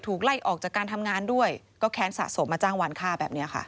ไล่ออกจากการทำงานด้วยก็แค้นสะสมมาจ้างวานฆ่าแบบนี้ค่ะ